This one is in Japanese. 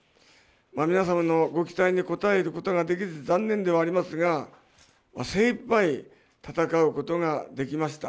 皆様のご期待に応えることができず、残念ではありますが、精いっぱい戦うことができました。